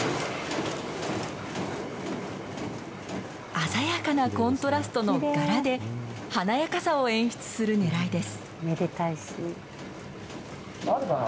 鮮やかなコントラストの柄で、華やかさを演出するねらいです。